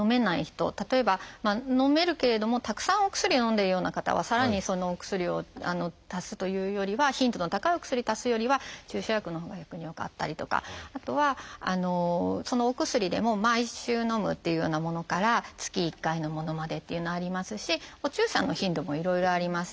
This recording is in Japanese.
例えばのめるけれどもたくさんお薬をのんでいるような方はさらにお薬を足すというよりは頻度の高いお薬足すよりは注射薬のほうが逆に良かったりとかあとはお薬でも毎週のむっていうようなものから月１回のものまでっていうのありますしお注射の頻度もいろいろあります。